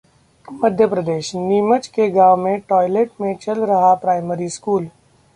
मध्य प्रदेशः नीमच के गांव में टॉयलेट में चल रहा प्राइमरी स्कूल